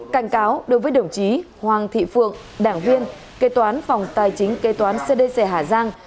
cảnh cáo đối với đồng chí hoàng thị phượng đảng viên kê toán phòng tài chính kê toán cdc hà giang